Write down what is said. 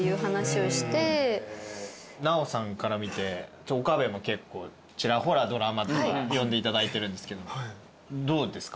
奈緒さんから見て岡部も結構ちらほらドラマとか呼んでいただいてるんですけどどうですか？